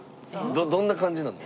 どんな感じなの？